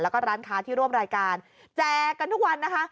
แล้วก็ร้านค้าที่ร่วมรายการแจกกันทุกวันนะคะ